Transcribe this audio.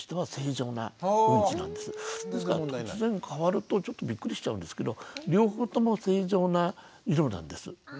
ですから突然変わるとちょっとびっくりしちゃうんですけど両方とも正常な色なんです。